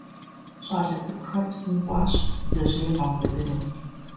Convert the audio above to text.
Щӏалэ цӏыкӏухэр псым кӏуащ бдзэжьей къаубыдыну.